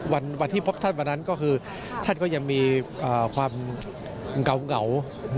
วันที่พบท่านวันนั้นก็คือท่านก็ยังมีความเหงา